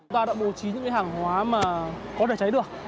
ta đã bố trí những hàng hóa mà có thể cháy được